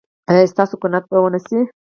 ایا ستاسو قناعت به و نه شي؟